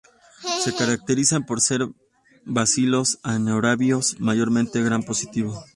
Se caracterizan por ser bacilos anaerobios mayormente Gram positivos.